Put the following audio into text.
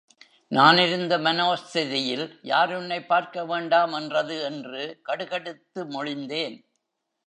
நான் இருந்த மனோஸ்திதியில் யார் உன்னைப் பார்க்க வேண்டாம் என்றது? என்று கடுகடுத்து மொழிந்தேன்.